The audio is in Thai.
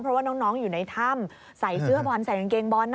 เพราะว่าน้องอยู่ในถ้ำใส่เสื้อบอลใส่กางเกงบอล